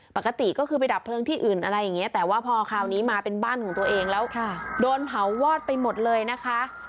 ปกติก็คือไปดับเพลิงที่อื่นอะไรอย่างนี้แต่ว่าพอคราวนี้มาเป็นบ้านของตัวเองแล้วโดนเผาวอดไปหมดเลยนะคะ